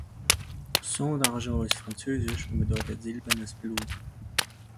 Sang d’Argent ist Französisch und bedeutet „silbernes Blut“.